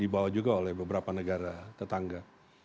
dibawa juga oleh beberapa negara tetangga